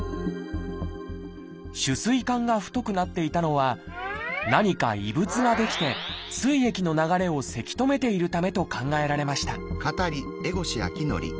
主膵管が太くなっていたのは何か異物が出来て膵液の流れをせき止めているためと考えられました